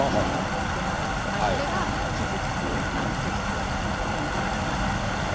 だからそれが気付く一つのファクターになったりしますね。